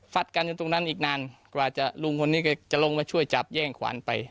กันอยู่ตรงนั้นอีกนานกว่าจะลุงคนนี้ก็จะลงมาช่วยจับแย่งขวานไป